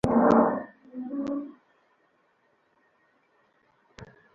খারাপ আবহাওয়া কাটিয়ে ফেলেছি।